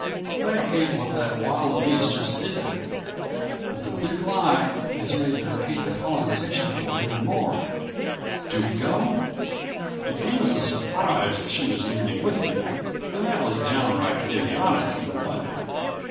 They hate what that wild beast just did. But the Big Lie has made them hate the Colonization Board even more. Do we go?" It came as a surprise that she was leaving with me, and that was downright idiotic, in a way.